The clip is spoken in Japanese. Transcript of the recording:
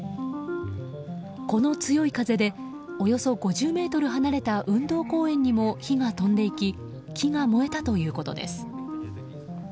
この強い風でおよそ５０ｍ離れた運動公園にも火が飛んでいき木が燃えたということです。